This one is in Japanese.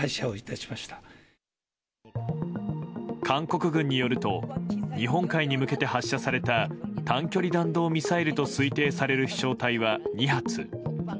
韓国軍によると日本海に向けて発射された短距離弾道ミサイルと推定される飛翔体は２発。